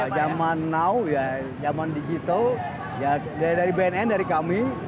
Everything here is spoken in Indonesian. zaman digital dari bnn dari kami